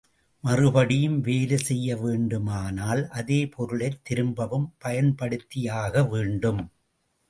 மறுபடியும் வேலை செய்ய வேண்டுமானால் அதே பொருளைத் திரும்பவும் பயன்படுத்தியாகவேண்டும்.